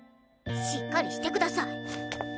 しっかりしてください。